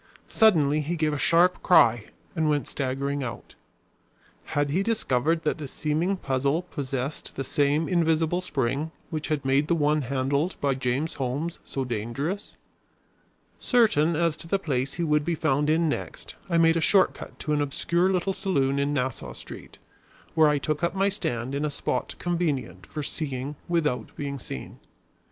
Suddenly he gave a sharp cry and went staggering out. Had he discovered that the seeming puzzle possessed the same invisible spring which had made the one handled by James Holmes so dangerous? Certain as to the place he would be found in next, I made a short cut to an obscure little saloon in Nassau Street, where I took up my stand in a spot convenient for seeing without being seen.